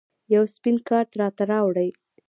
یو سپین کارت راته راوړئ